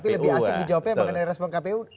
lebih asik dijawabkan dari respon kpu